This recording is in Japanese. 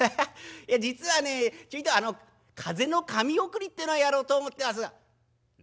いや実はねちょいとあの風の神送りってえのをやろうと思ってます」。